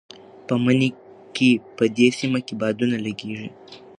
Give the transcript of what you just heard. په مني کې په دې سیمه کې بادونه لګېږي.